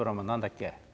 何だっけ？